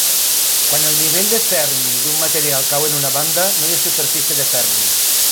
Quan el nivell de Fermi d'un material cau en una banda, no hi ha superfície de Fermi.